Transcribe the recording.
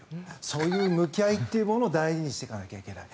そういう向き合いっていうものを大事にしていかないといけない。